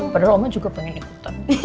padahal roma juga pengen ikutan